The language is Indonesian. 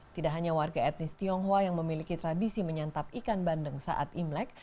tidak hanya warga etnis tionghoa yang memiliki tradisi menyantap ikan bandeng saat imlek